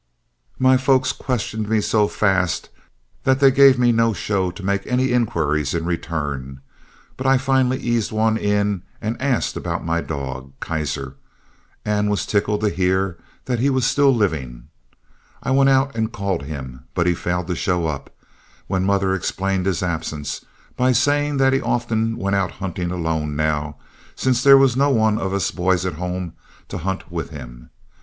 "My folks questioned me so fast that they gave me no show to make any inquiries in return, but I finally eased one in and asked about my dog Keiser, and was tickled to hear that he was still living. I went out and called him, but he failed to show up, when mother explained his absence by saying that he often went out hunting alone now, since there was none of us boys at home to hunt with him.